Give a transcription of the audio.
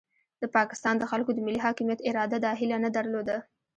د پاکستان د خلکو د ملي حاکمیت اراده دا هیله نه درلوده.